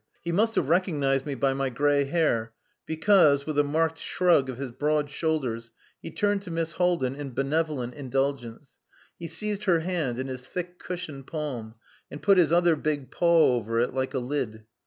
He must have recognized me by my grey hair, because, with a marked shrug of his broad shoulders, he turned to Miss Haldin in benevolent indulgence. He seized her hand in his thick cushioned palm, and put his other big paw over it like a lid.